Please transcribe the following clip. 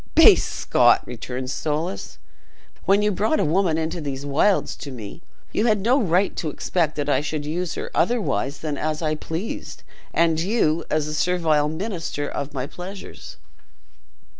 "Base Scot!" returned Soulis, "when you brought a woman into these wilds to me, you had no right to expect that I should use her otherwise than as I pleased, and you, as the servile minister of my pleasures."